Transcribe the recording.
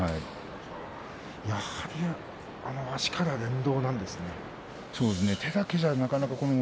やはり足から連動なんですね。